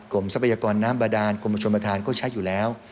ทรัพยากรน้ำบาดานกรมชนประธานก็ใช้อยู่แล้ว